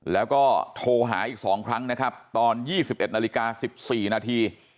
แล้วก็โทรหาอีกสองครั้งนะครับตอนยี่สิบเอ็ดนาฬิกาสิบสี่นาที